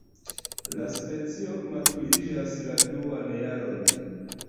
La specio maturiĝas la duan jaron.